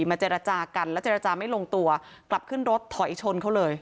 เจรจากันแล้วเจรจาไม่ลงตัวกลับขึ้นรถถอยชนเขาเลย